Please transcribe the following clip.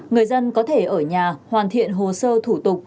người dân có thể ở nhà hoàn thiện hồ sơ thủ tục